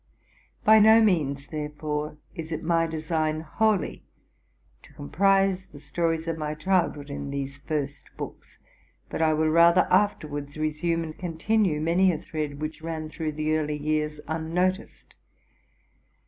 By no means, therefore, is it my design wholly to com 60 TRUTH AND FICTION prise the stories of my childhood in these first books ; but I will rather afterwards resume and continue many a thread which ran through the early years unnoticed.